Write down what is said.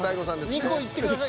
２個いってください。